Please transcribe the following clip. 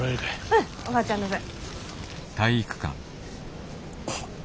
うんおばあちゃんの分。